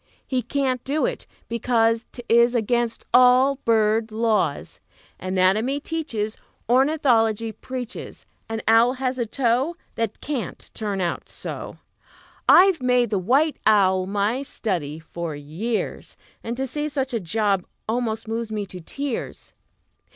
He can't do it, because 'T is against all bird laws. Anatomy teaches, Ornithology preaches An owl has a toe That can't turn out so! I've made the white owl my study for years, And to see such a job almost moves me to tears!